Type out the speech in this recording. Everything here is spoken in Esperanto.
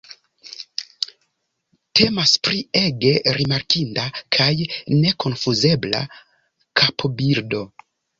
Temas pri ege rimarkinda kaj nekonfuzebla kapobildo.